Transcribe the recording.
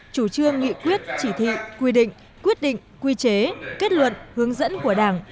chủ trương nghị quyết chỉ thị quy định quyết định quy chế kết luận hướng dẫn của đảng